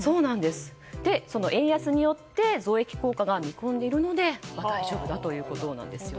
その円安によって増益効果が見込まれるので大丈夫だということなんですね。